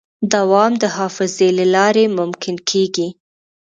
دوام د حافظې له لارې ممکن کېږي.